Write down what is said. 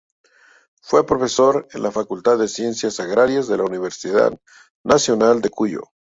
Fue profesor en la Facultad de Ciencias Agrarias de la Universidad Nacional de Cuyo.